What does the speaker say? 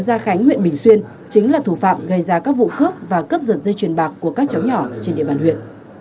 gia khánh huyện bình xuyên chính là thủ phạm gây ra các vụ cướp và cướp giật dây chuyền bạc của các cháu nhỏ trên địa bàn huyện